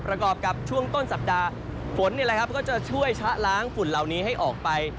ประกอบกับช่วงต้นสัปดาห์ฝนก็จะช่วยชะล้างฝุ่นเหล่านี้ให้ออกไป